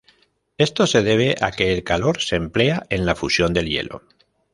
Esto se debe a que el calor se emplea en la fusión del hielo.